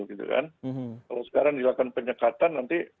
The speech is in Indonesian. kalau sekarang dilakukan penyekatan nanti